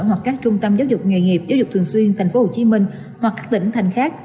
hoặc các trung tâm giáo dục nghề nghiệp giáo dục thường xuyên tp hcm hoặc các tỉnh thành khác